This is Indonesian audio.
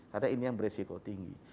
karena ini yang beresiko tinggi